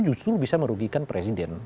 justru bisa merugikan presiden